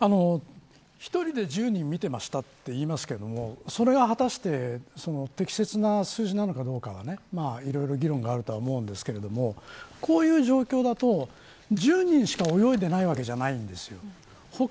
１人で１０人見てました、と言いますけれどもそれが果たして適切な数字なのかどうかはいろいろ議論があるとは思うんですけれどもこういう状況だと１０人しか泳いでいないわけじゃないんですよ。